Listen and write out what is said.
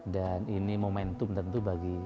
dan ini momentum tentu